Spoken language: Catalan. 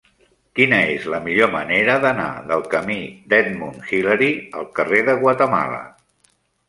Quina és la millor manera d'anar del camí d'Edmund Hillary al carrer de Guatemala?